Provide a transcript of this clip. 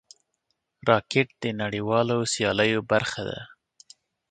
راکټ د نړیوالو سیالیو برخه ده